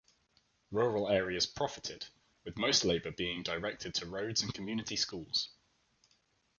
Rural areas profited, with most labor being directed to roads and community schools.